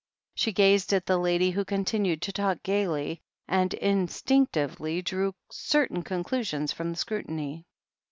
She gazed at the lady, who continued to talk gaily, and instinctively drew certain conclusions from the scrutiny.